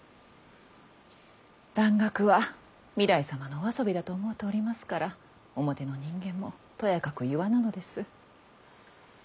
蘭学は御台様のお遊びだと思うておりますから表の人間もとやかく言わぬのです。